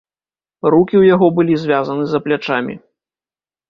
Рукі ў яго былі звязаны за плячамі.